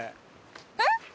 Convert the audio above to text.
えっ！？